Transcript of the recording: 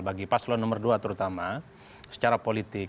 bagi pas lo nomor dua terutama secara politik